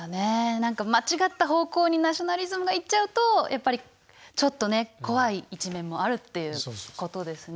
何か間違った方向にナショナリズムがいっちゃうとやっぱりちょっとね怖い一面もあるっていうことですね。